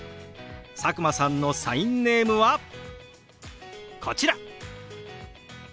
佐久間さんのサインネームはこちら！